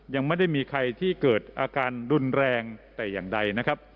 ยังไม่ได้มีใครที่เกิดอาการรุนแรงแต่อย่างใดนะครับ